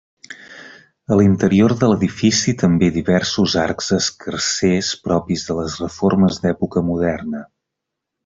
A l'interior de l'edifici també diversos arcs escarsers, propis de les reformes d'època moderna.